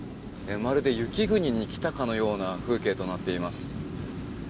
まるで雪国に来たかのような風景となっています。